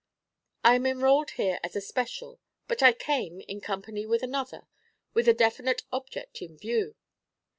I am enrolled here as a "special," but I came, in company with another, with a definite object in view.